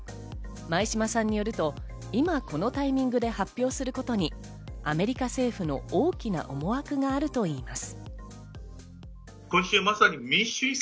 前嶋さんによると今、このタイミングで発表することにアメリカ政府の大きな思惑があるといいます。